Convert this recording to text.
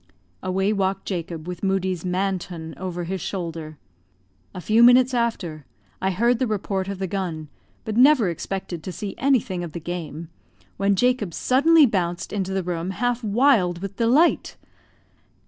Away walked Jacob with Moodie's "Manton" over his shoulder. A few minutes after, I heard the report of the gun, but never expected to see anything of the game; when Jacob suddenly bounced into the room, half wild with delight.